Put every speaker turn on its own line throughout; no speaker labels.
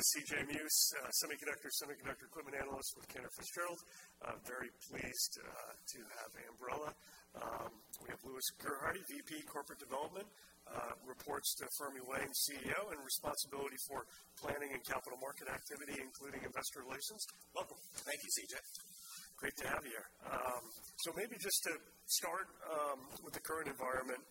My name is CJ Muse, semiconductor equipment analyst with Cantor Fitzgerald. I'm very pleased to have Ambarella. We have Louis Gerhardy, VP Corporate Development, reports to Fermi Wang, CEO, and responsibility for planning and capital market activity, including investor relations. Welcome.
Thank you, CJ.
Great to have you here. Maybe just to start, with the current environment,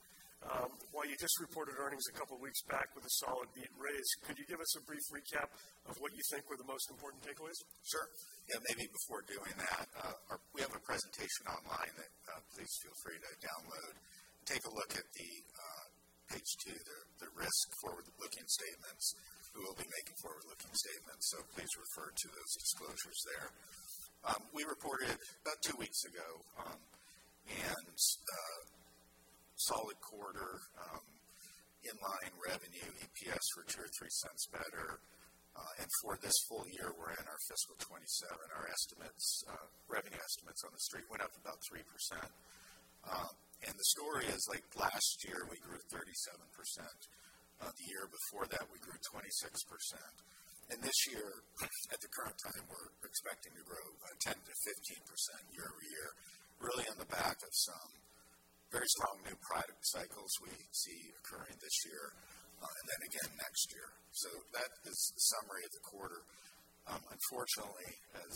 while you just reported earnings a couple weeks back with a solid beat and raise, could you give us a brief recap of what you think were the most important takeaways?
Sure. Yeah, maybe before doing that, we have a presentation online that, please feel free to download. Take a look at the page two, the risk forward-looking statements. We will be making forward-looking statements, so please refer to those disclosures there. We reported about two weeks ago, and a solid quarter, in line revenue, EPS were $0.02 or $0.03 better. For this full year, we're in our fiscal 2027. Our estimates, revenue estimates on the street went up about 3%. The story is like last year, we grew 37%. The year before that, we grew 26%. This year, at the current time, we're expecting to grow 10%-15% year-over-year, really on the back of some very strong new product cycles we see occurring this year, and then again next year. That is the summary of the quarter. Unfortunately, as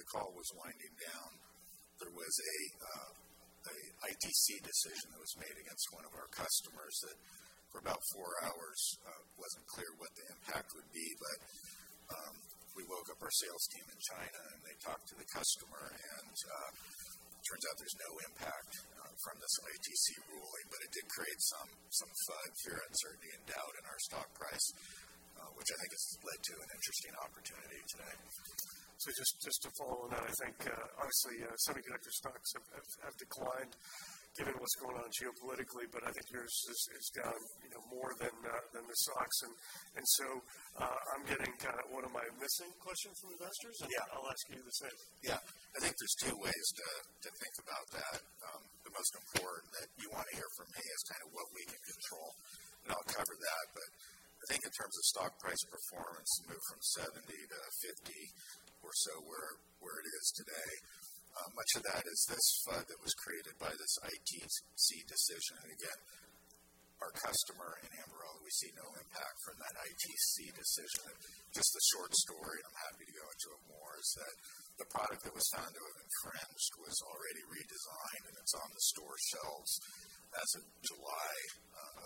the call was winding down, there was an ITC decision that was made against one of our customers that for about foiur hours wasn't clear what the impact would be. But we woke up our sales team in China, and they talked to the customer, and turns out there's no impact from this ITC ruling, but it did create some FUD fear, uncertainty and doubt in our stock price, which I think has led to an interesting opportunity today.
Just to follow on that, I think, obviously, semiconductor stocks have declined given what's going on geopolitically, but I think yours is down more than the SOX. I'm getting kind of what am I missing question from investors.
Yeah.
I'll ask you the same.
Yeah. I think there's two ways to think about that. The most important that you want to hear from me is kind of what we can control, and I'll cover that. I think in terms of stock price performance, we moved from 70 to 50 or so where it is today. Much of that is this FUD that was created by this ITC decision. Again, our customer in Ambarella, we see no impact from that ITC decision. Just the short story, I'm happy to go into it more, is that the product that was found to have infringed was already redesigned, and it's on the store shelves as of July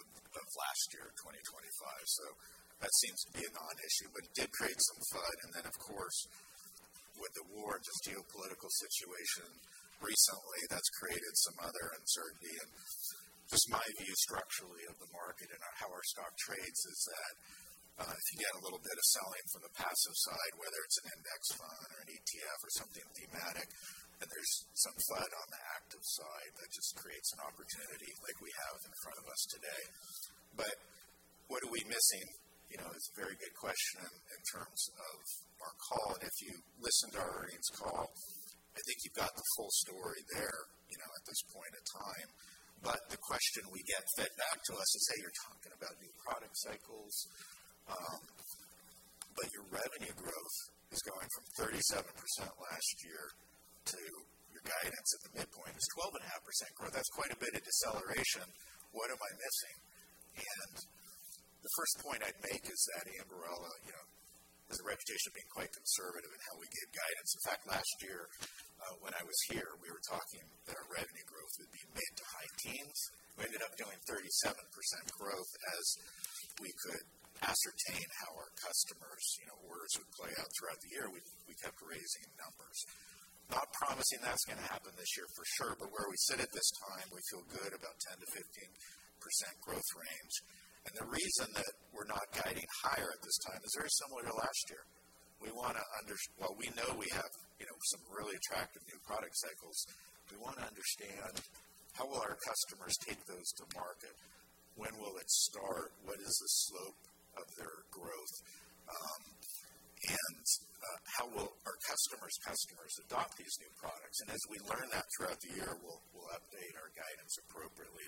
of last year, 2025. That seems to be a non-issue, but it did create some FUD. Then, of course, with the war, just geopolitical situation recently, that's created some other uncertainty. Just my view structurally of the market and how our stock trades is that, if you get a little bit of selling from the passive side, whether it's an index fund or an ETF or something thematic, then there's some FUD on the active side that just creates an opportunity like we have in front of us today. What are we missing? It's a very good question in terms of our call. If you listen to our earnings call, I think you've got the full story there at this point in time. The question we get fed back to us is, "Hey, you're talking about new product cycles, but your revenue growth is going from 37% last year to your guidance at the midpoint is 12.5% growth. That's quite a bit of deceleration. What am I missing?" The first point I'd make is that ambarella has a reputation of being quite conservative in how we give guidance. In fact, last year, when I was here, we were talking that our revenue growth would be mid- to high-teens. We ended up doing 37% growth. As we could ascertain how our customers' orders would play out throughout the year, we kept raising the numbers. Not promising that's going to happen this year for sure, but where we sit at this time, we feel good about 10%-15% growth range. The reason that we're not guiding higher at this time is very similar to last year. While we know we have some really attractive new product cycles, we want to understand how will our customers take those to market? When will it start? What is the slope of their growth? How will our customers adopt these new products? As we learn that throughout the year, we'll update our guidance appropriately.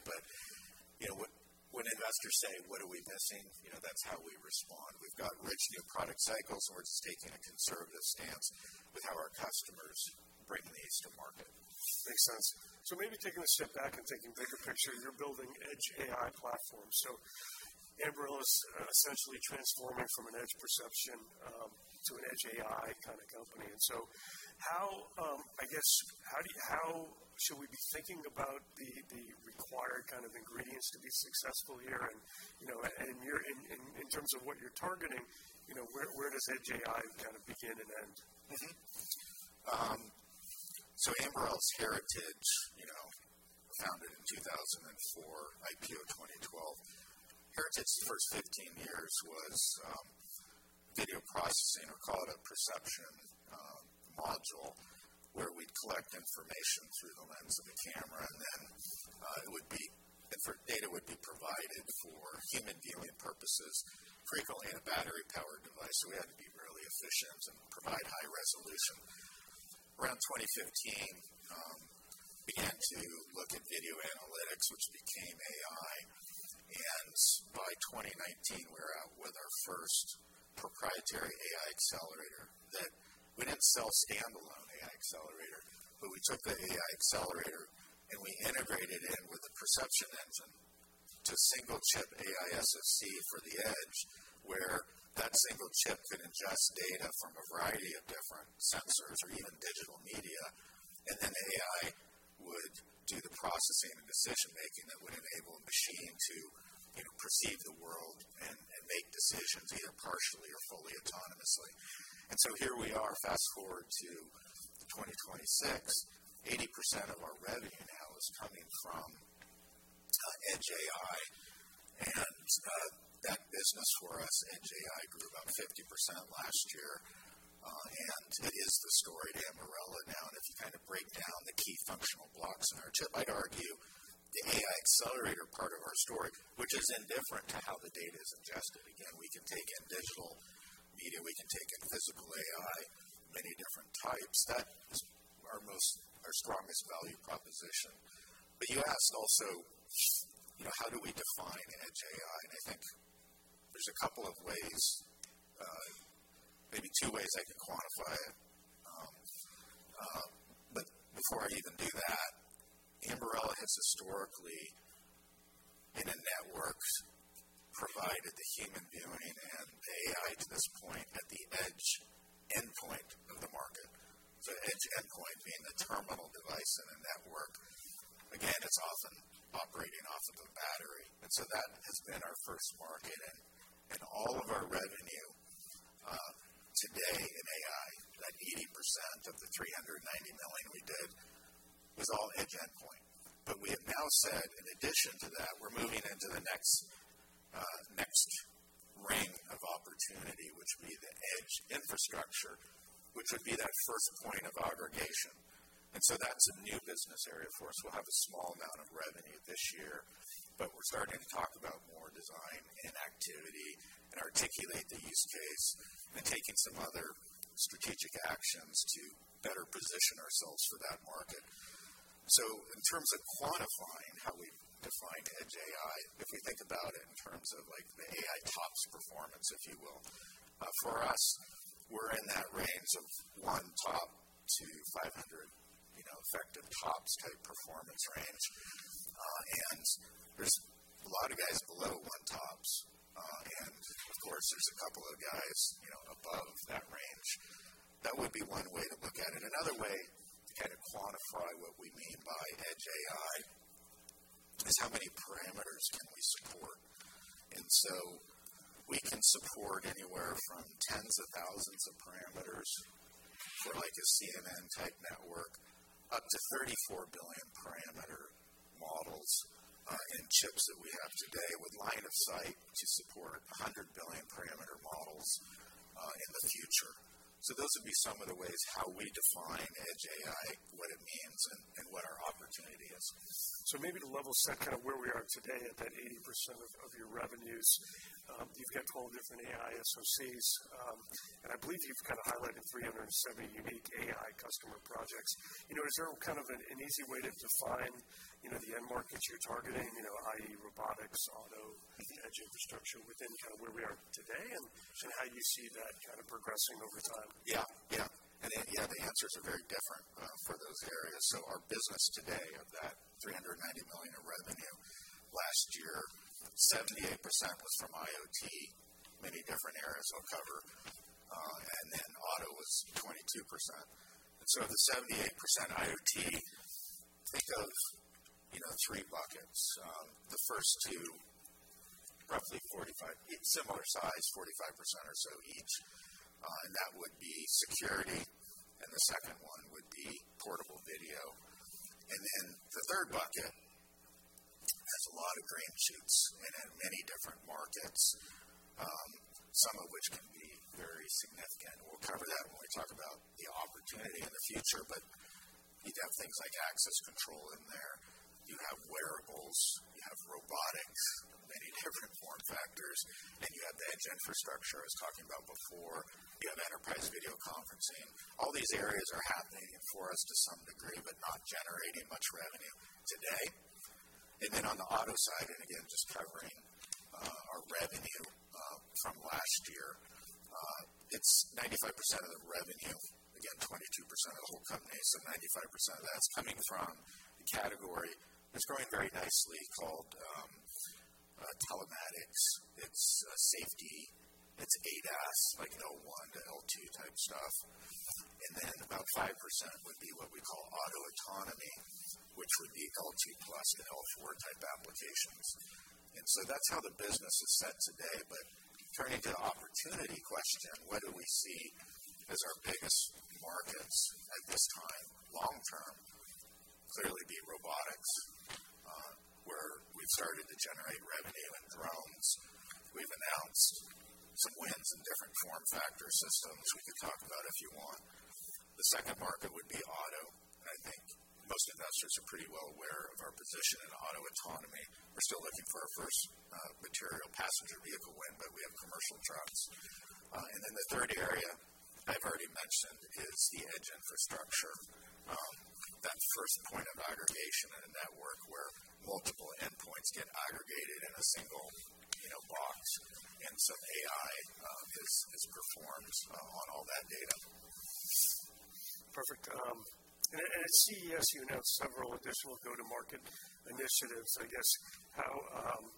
When investors say, "What are we missing?" that's how we respond. We've got rich new product cycles, and we're taking a conservative stance with how our customers bring these to market.
Makes sense. Maybe taking a step back and thinking bigger picture, you're building Edge AI platforms. Ambarella's essentially transforming from an edge perception to an Edge AI kind of company. How, I guess how should we be thinking about the required kind of ingredients to be successful here? You're in terms of what you're targeting where does Edge AI kind of begin and end?
Ambarella's heritage founded in 2004, IPO 2012. The first 15 years was video processing or call it a perception module, where we'd collect information through the lens of a camera, and then data would be provided for human viewing purposes, frequently in a battery-powered device. We had to provide high resolution. Around 2015, began to look at video analytics, which became AI. By 2019, we're out with our first proprietary AI accelerator that we didn't sell standalone, but we took the AI accelerator, and we integrated it with a perception engine into single chip AI SoC for the edge, where that single chip could ingest data from a variety of different sensors or even digital media. Then AI would do the processing and decision-making that would enable a machine to perceive the world and make decisions either partially or fully autonomously. Here we are, fast-forward to 2026, 80% of our revenue now is coming from Edge AI. That business for us at Edge AI grew about 50% last year and is the story at Ambarella now. If you kind of break down the key functional blocks in our chip, I'd argue the AI accelerator part of our story, which is indifferent to how the data is ingested. Again, we can take in digital media, we can take in physical AI, many different types. That is our strongest value proposition. But you asked also how do we define Edge AI? I think there's a couple of ways, maybe two ways I could quantify it. Before I even do that, Ambarella has historically in a network provided the human viewing and AI to this point at the edge endpoint of the market. Edge endpoint being the terminal device in a network. Again, it's often operating off of a battery. That has been our first market and all of our revenue today in AI, that 80% of the $390 million we did was all edge endpoint. We have now said in addition to that, we're moving into the next ring of opportunity, which would be the edge infrastructure, which would be that first point of aggregation. That is a new business area for us. We'll have a small amount of revenue this year, but we're starting to talk about more design and activity and articulate the use case and taking some other strategic actions to better position ourselves for that market. In terms of quantifying how we define Edge AI, if we think about it in terms of like the AI TOPS performance, if you will, for us, we're in that range of 1-500 tops effective TOPS-type performance range. There's a lot of guys below 1 TOPS. Of course, there's a couple of guys above that range. That would be one way to look at it. Another way to kind of quantify what we mean by Edge AI is how many parameters can we support. We can support anywhere from tens of thousands of parameters for like a CNN type network, up to 34 billion parameter models, in chips that we have today with line of sight to support 100 billion parameter models, in the future. Those would be some of the ways how we define Edge AI, what it means and what our opportunity is.
Maybe to level set kind of where we are today at that 80% of your revenues, you've got 12 different AI SoCs, and I believe you've kind of highlighted 370 unique AI customer projects. Is there kind of an easy way to define the end markets you're targeting i.e. robotics, auto, the edge infrastructure within kind of where we are today and how you see that kind of progressing over time?
Yeah, the answers are very different for those areas. Our business today of that $390 million in revenue last year, 78% was from IoT, many different areas I'll cover. Then auto was 22%. The 78% IoT, think of three buckets. The first two, roughly 45%, similar size, 45% or so each. That would be security, and the second one would be portable video. The third bucket has a lot of green shoots and in many different markets, some of which can be very significant. We'll cover that when we talk about the opportunity in the future. You'd have things like access control in there. You have wearables. You have robotics, many different form factors, and you have the edge infrastructure I was talking about before. You have enterprise video conferencing. All these areas are happening for us to some degree, but not generating much revenue today. Then on the auto side, and again, just covering our revenue from last year, it's 95% of the revenue. Again, 22% of the whole company. 95% of that's coming from the category that's growing very nicely called telematics. It's safety. It's ADAS, like L1 to L2 type stuff. Then about 5% would be what we call auto autonomy, which would be L2+ to L4 type applications. That's how the business is set today, but turning to the opportunity question, what do we see as our biggest markets at this time long term? Clearly be robotics, where we've started to generate revenue in drones. We've announced some wins in different form factor systems. The second market would be auto. I think most investors are pretty well aware of our position in auto autonomy. We're still looking for our first material passenger vehicle win, but we have commercial trucks. The third area I've already mentioned is the edge infrastructure. That first point of aggregation in a network where multiple endpoints get aggregated in a single box and some AI is performed on all that data.
Perfect. At CES, you announced several additional go-to-market initiatives. I guess how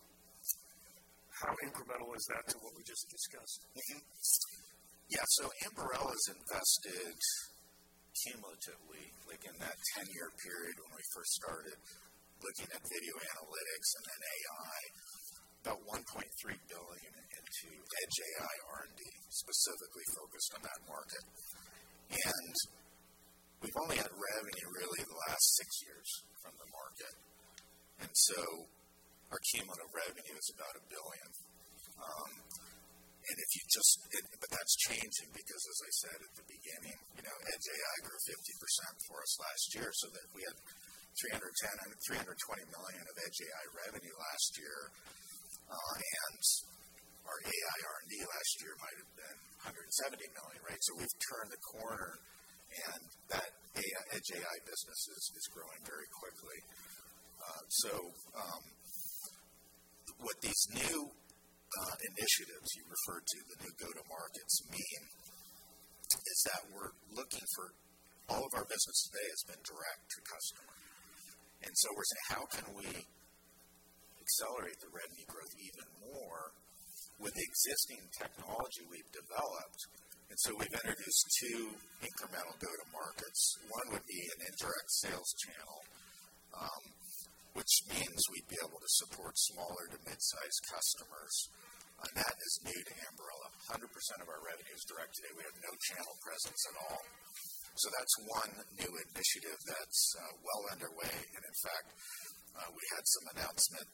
incremental is that to what we just discussed?
Ambarella has invested cumulatively, like in that 10-year period when we first started looking at video analytics and then AI, about $1.3 billion into edge AI R&D, specifically focused on that market. We've only had revenue really the last 6 years from the market. Our cumulative revenue is about $1 billion. That's changing because as I said at the beginning edge AI grew 50% for us last year, so that we had 310 out of $320 million of edge AI revenue last year. Our AI R&D last year might have been $170 million, right? We've turned the corner, and edge AI business is growing very quickly. What these new initiatives you referred to, the new go-to-markets mean is that we're looking for all of our business today has been direct to customer. We're saying, how can we accelerate the revenue growth even more with the existing technology we've developed? We've introduced two incremental go-to-markets. One would be an indirect sales channel, which means we'd be able to support smaller to mid-size customers. That is new to Ambarella. 100% of our revenue is direct today. We have no channel presence at all. That's one new initiative that's well underway. In fact, we had some announcement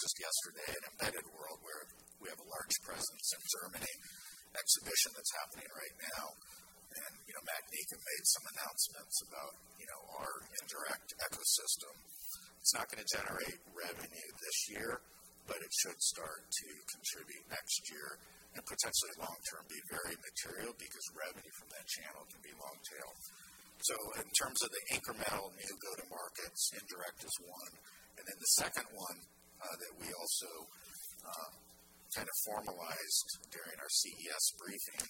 just yesterday at Embedded World, where we have a large presence in Germany, exhibition that's happening right now. Matt Nyika made some announcements about our indirect ecosystem. It's not going to generate revenue this year, but it should start to contribute next year and potentially long-term be very material because revenue from that channel can be long tail. In terms of the incremental new go-to-markets, indirect is one. The second one, that we also kind of formalized during our CES briefing,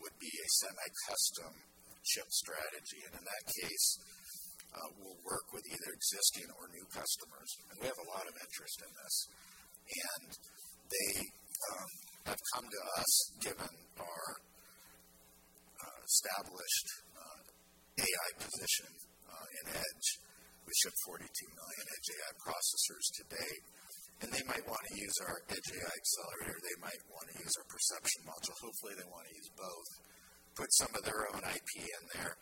would be a semi-custom chip strategy. In that case, we'll work with either existing or new customers. We have a lot of interest in this, and they have come to us given our established AI position in Edge AI. We ship 42 million Edge AI processors to date, and they might want to use our Edge AI accelerator. They might want to use our perception module. Hopefully, they want to use both, put some of their own IP in there.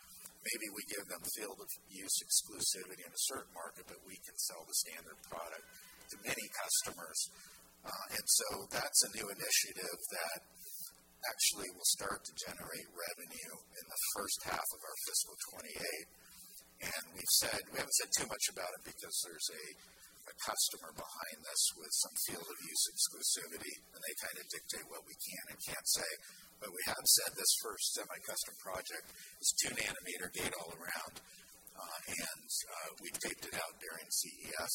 Maybe we give them field of use exclusivity in a certain market, but we can sell the standard product to many customers. That's a new initiative that actually will start to generate revenue in the first half of our fiscal 2028. We haven't said too much about it because there's a customer behind this with some field of use exclusivity, and they kind of dictate what we can and can't say. We have said this first semi-custom project is two nanometer gate-all-around. We tweaked it out during CES.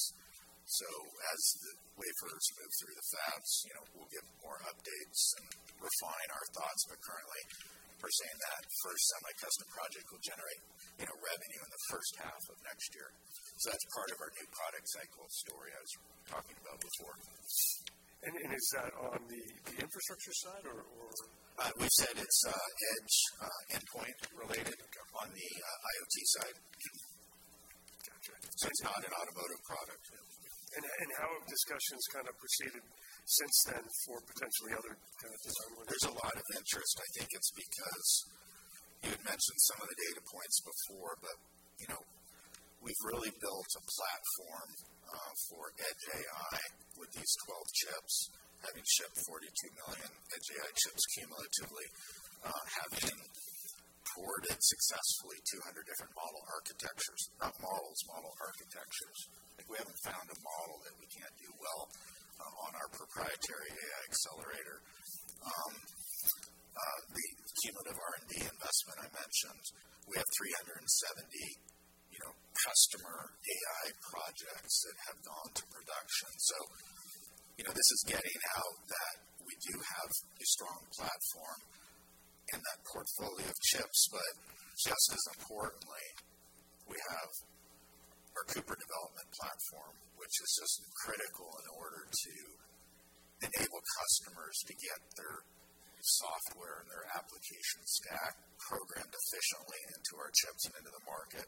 As the wafers move through the fabs we'll give more updates and refine our thoughts. Currently, we're saying that first semi-custom project will generate revenue in the first half of next year. That's part of our new product cycle story I was talking about before.
is that on the infrastructure side or?
We've said it's edge endpoint related on the IoT side.
Gotcha.
It's not an automotive product.
How have discussions kind of proceeded since then for potentially other kind of design wins?
There's a lot of interest. I think it's because you had mentioned some of the data points before, but we've really built a platform for Edge AI with these 12 chips, having shipped 42 million Edge AI chips cumulatively, having ported successfully 200 different model architectures. Not models, model architectures. I think we haven't found a model that we can't do well on our proprietary AI accelerator. The cumulative R&D investment I mentioned, we have 370 customer AI projects that have gone to production. This is getting out that we do have a strong platform in that portfolio of chips. Just as importantly, we have our Cooper development platform, which is just critical in order to enable customers to get their software and their application stack programmed efficiently into our chips and into the market.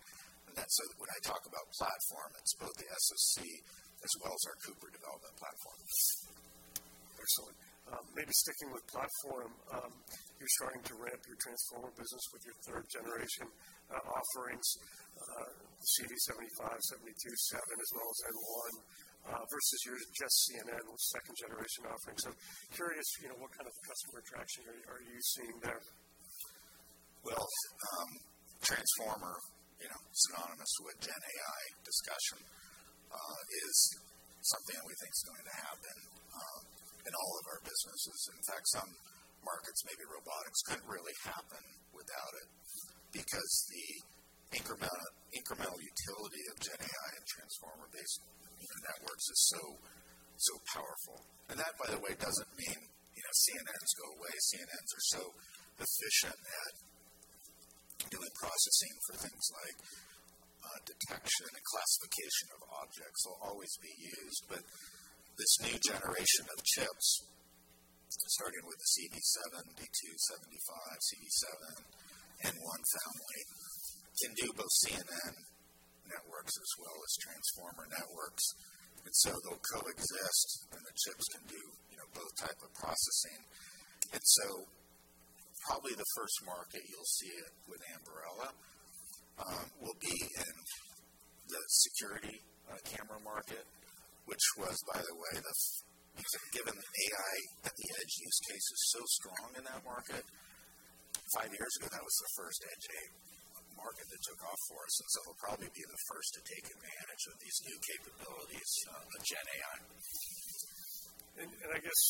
When I talk about platform, it's both the SoC as well as our Cooper development platform.
Excellent. Maybe sticking with platform, you're starting to ramp your transformer business with your third generation offerings. CV75, CV72, CV7, as well as N1, versus your just CNN second generation offerings. curious what kind of customer traction are you seeing there?
Well, transformer synonymous with Gen AI discussion, is something that we think is going to happen in all of our businesses. In fact, some markets, maybe robotics couldn't really happen without it because the incremental utility of Gen AI and transformer-based networks is so powerful. That, by the way, doesn't mean CNNs go away. CNNs are so efficient at doing processing for things like detection and classification of objects, will always be used. This new generation of chips, starting with the CV7, CV75, CV72, N1 family can do both CNN networks as well as transformer networks. They'll coexist, and the chips can do both type of processing. Probably the first market you'll see it with Ambarella will be in the security camera market, which was, by the way, given AI at the edge use case is so strong in that market, five years ago, that was the first edge AI market that took off for us. It'll probably be the first to take advantage of these new capabilities of Gen AI.
I guess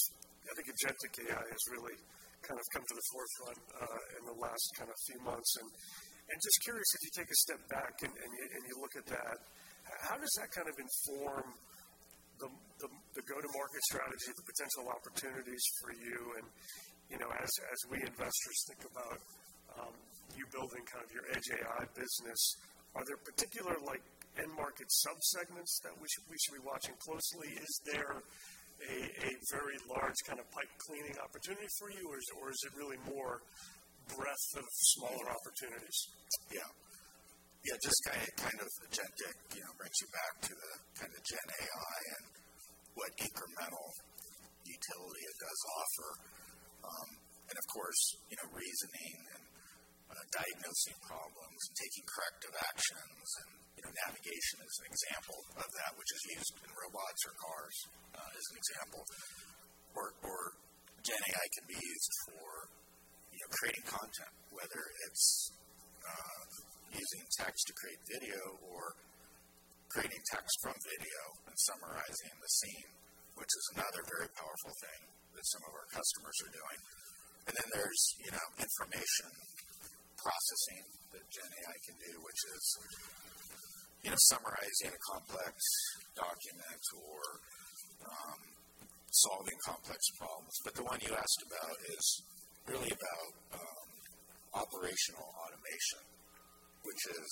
I think agentic AI has really kind of come to the forefront in the last kind of few months. Just curious, if you take a step back and you look at that, how does that kind of inform the go-to-market strategy, the potential opportunities for you? As we investors think about you building kind of your Edge AI business, are there particular like end market subsegments that we should be watching closely? Is there a very large kind of pipeline opportunity for you, or is it really more breadth of smaller opportunities?
Yeah. Just kind of agentic brings you back to the kind of GenAI and what incremental utility it does offer. Of course reasoning and diagnosing problems and taking corrective actions and navigation as an example of that, which is used in robots or cars as an example. Or GenAI can be used for creating content, whether it's using text to create video or creating text from video and summarizing the scene, which is another very powerful thing that some of our customers are doing. Then there's information processing that GenAI can do, which is summarizing a complex document or solving complex problems. The one you asked about is really about operational automation, which is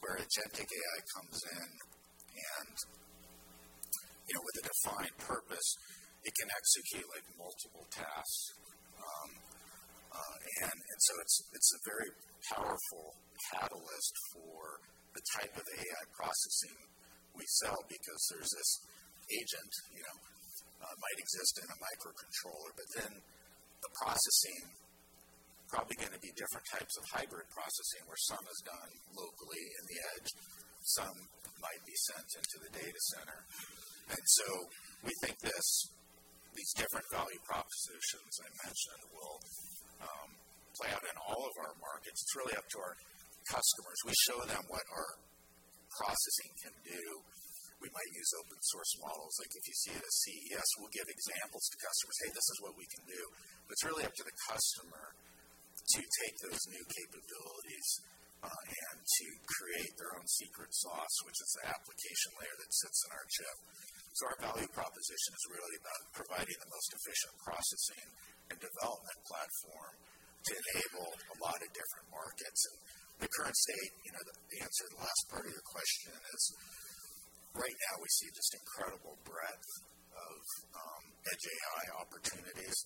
where agentic AI comes in and with a defined purpose, it can execute like multiple tasks. So it's a very powerful catalyst for the type of AI processing we sell because there's this agent might exist in a microcontroller, but then the processing probably going to be different types of hybrid processing, where some is done locally in the edge, some might be sent into the data center. We think this, these different value propositions I mentioned will play out in all of our markets. It's really up to our customers. We show them what our processing can do. We might use open-source models, like if you see it at CES, we'll give examples to customers, "Hey, this is what we can do." It's really up to the customer to take those new capabilities and to create their own secret sauce, which is the application layer that sits on our chip. Our value proposition is really about providing the most efficient processing and development platform to enable a lot of different markets. The current state the answer to the last part of your question is right now we see just incredible breadth of Edge AI opportunities.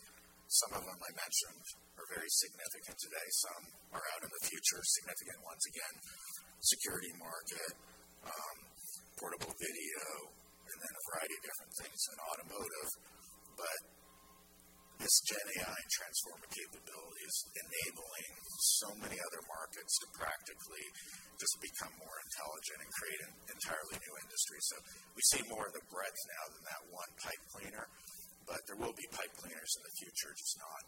Some of them I mentioned are very significant today. Some are out in the future, significant ones, again, security market, portable video, and then a variety of different things in automotive. This GenAI transformer capability is enabling so many other markets to practically just become more intelligent and create an entirely new industry. We see more of the breadth now than that one pipe cleaner, but there will be pipe cleaners in the future. Just not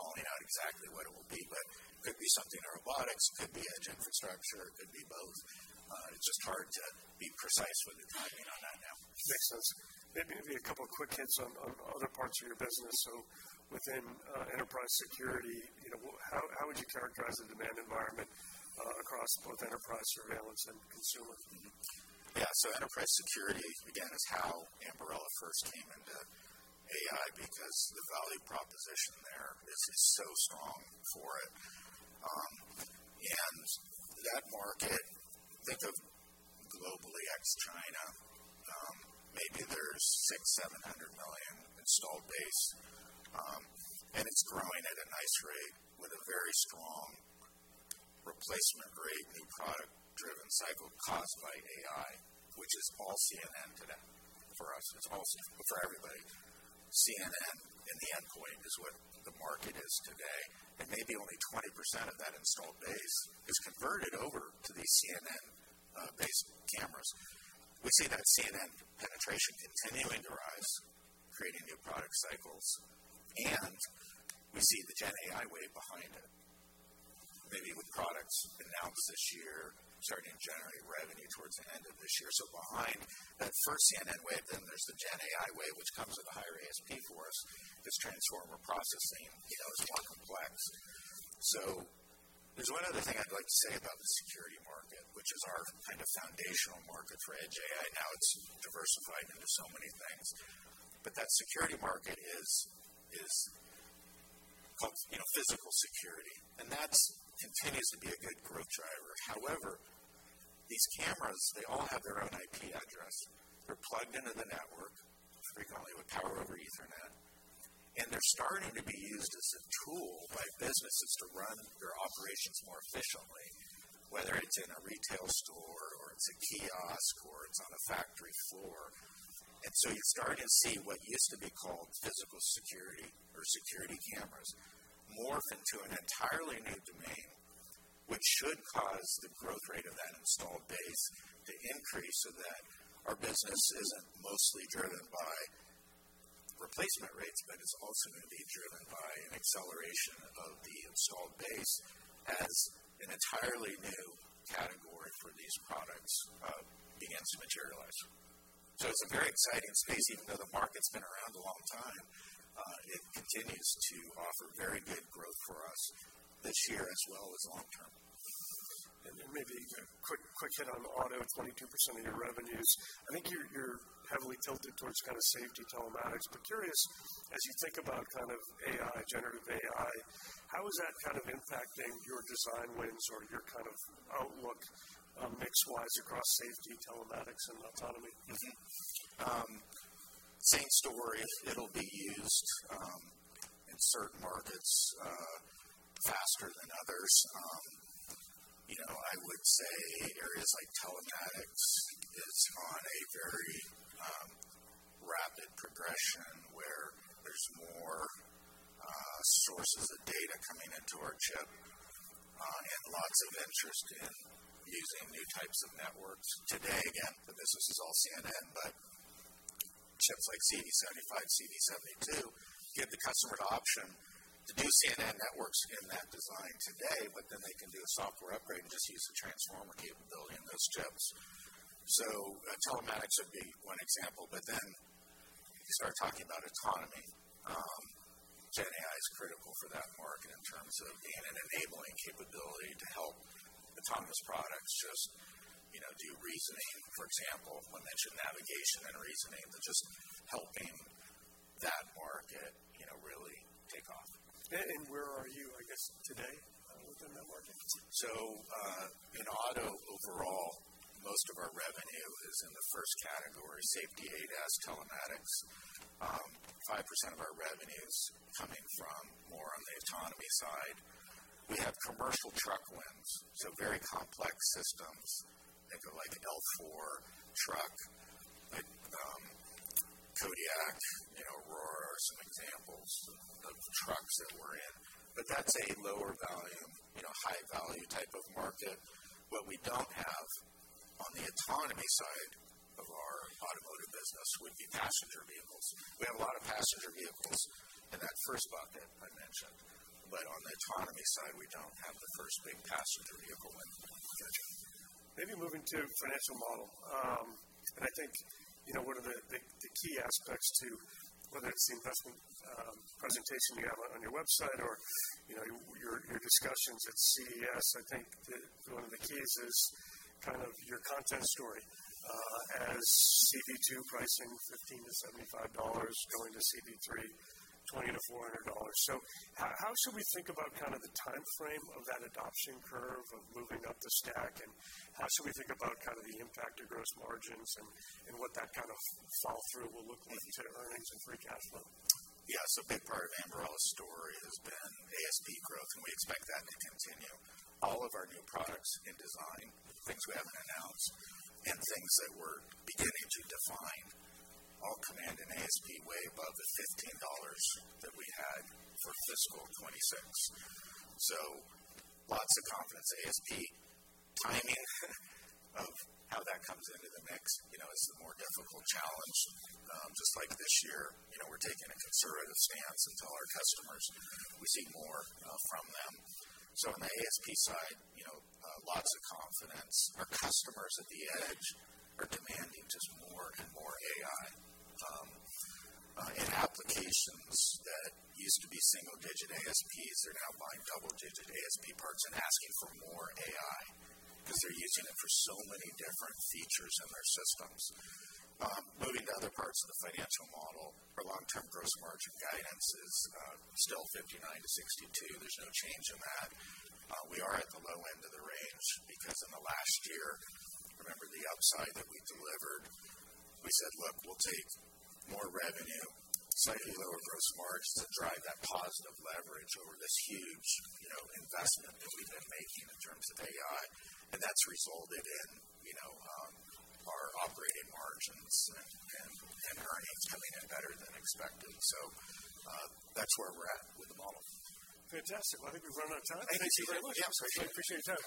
calling out exactly what it will be, but could be something in robotics, could be edge infrastructure, could be both. It's just hard to be precise when you're talking on that now.
Makes sense. Maybe a couple quick hits on other parts of your business. Within enterprise security how would you characterize the demand environment across both enterprise surveillance and consumer?
Yeah. Enterprise security, again, is how Ambarella first came into AI because the value proposition there is so strong for it. That market globally ex China, maybe there's 600-700 million installed base. It's growing at a nice rate with a very strong replacement rate, new product driven cycle caused by AI, which is all CNN today for us. It's all CNN for everybody. CNN in the endpoint is what the market is today, and maybe only 20% of that installed base is converted over to these CNN based cameras. We see that CNN penetration continuing to rise, creating new product cycles, and we see the Gen AI wave behind it, maybe with products announced this year starting to generate revenue towards the end of this year. Behind that first CNN wave, then there's the GenAI wave, which comes with a higher ASP for us. This transformer processing is more complex. There's one other thing I'd like to say about the security market, which is our kind of foundational market for Edge AI. Now it's diversified into so many things, but that security market is called physical security, and that continues to be a good growth driver. However, these cameras, they all have their own IP address. They're plugged into the network frequently with power over Ethernet, and they're starting to be used as a tool by businesses to run their operations more efficiently, whether it's in a retail store or it's a kiosk or it's on a factory floor. You're starting to see what used to be called physical security or security cameras morph into an entirely new domain, which should cause the growth rate of that installed base to increase so that our business isn't mostly driven by replacement rates, but it's also going to be driven by an acceleration of the installed base as an entirely new category for these products begins to materialize. It's a very exciting space. Even though the market's been around a long time, it continues to offer very good growth for us this year as well as long term.
Maybe quick hit on auto, 22% of your revenues. I think you're heavily tilted towards kind of safety telematics. Curious, as you think about kind of AI, generative AI, how is that kind of impacting your design wins or your kind of outlook, mix wise across safety, telematics and autonomy?
Same story. It'll be used in certain markets faster than others. I would say areas like telematics is on a very rapid progression where there's more sources of data coming into our chip and lots of interest in using new types of networks. Today, again, the business is all CNN, but chips like CV75, CV72 give the customer an option to do CNN networks in that design today, but then they can do a software upgrade and just use the transformer capability in those chips. Telematics would be one example, but then you start talking about autonomy. GenAI is critical for that market in terms of being an enabling capability to help autonomous products just do reasoning. For example, when mentioned navigation and reasoning, but just helping that market really take off.
Where are you, I guess today, within that market?
In auto overall, most of our revenue is in the first category, safety ADAS telematics. Five percent of our revenue is coming from more on the autonomy side. We have commercial truck wins, so very complex systems that go like L4 truck. Like, Kodiak Aurora are some examples of the trucks that we're in. But that's a lower volume high value type of market. What we don't have on the autonomy side of our automotive business would be passenger vehicles. We have a lot of passenger vehicles in that first bucket I mentioned, but on the autonomy side, we don't have the first big passenger vehicle win yet.
Maybe moving to financial model. I think one of the key aspects to whether it's the investment presentation you have on your website or your discussions at CES, one of the keys is kind of your content story, as CV2 pricing $15-$75 going to CV3, $20-$400. How should we think about kind of the timeframe of that adoption curve of moving up the stack? And how should we think about kind of the impact to gross margins and what that kind of flow-through will look like to earnings and free cash flow?
Yeah. A big part of Ambarella's story has been ASP growth, and we expect that to continue. All of our new products in design, things we haven't announced and things that we're beginning to define all command an ASP way above the $15 that we had for fiscal 2026. Lots of confidence. ASP timing of how that comes into the mix is the more difficult challenge. Just like this year we're taking a conservative stance until we see more from our customers. On the ASP side lots of confidence. Our customers at the edge are demanding just more and more AI. In applications that used to be single-digit ASPs, they're now buying double-digit ASP parts and asking for more AI 'cause they're using it for so many different features in their systems. Moving to other parts of the financial model, our long term gross margin guidance is still 59% to 62%. There's no change in that. We are at the low end of the range because in the last year, remember the upside that we delivered, we said, "Look, we'll take more revenue, slightly lower gross margins to drive that positive leverage over this huge investment that we've been making in terms of AI." And that's resulted in our operating margins and earnings coming in better than expected. That's where we're at with the model.
Fantastic. Well, I think we've run out of time.
Thank you.
Thank you very much.
Yeah. Appreciate it.
Appreciate your time.